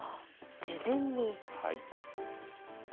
事前に。